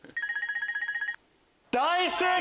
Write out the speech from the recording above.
大正解！